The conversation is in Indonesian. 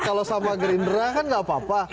kalau sama gerindra kan gak apa apa